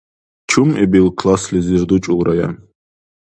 Чумъибил класслизир дучӀулрая?